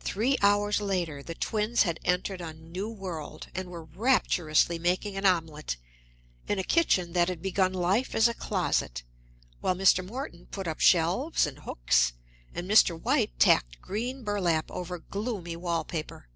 Three hours later the twins had entered a new world and were rapturously making an omelet in a kitchen that had begun life as a closet, while Mr. Morton put up shelves and hooks and Mr. White tacked green burlap over gloomy wall paper.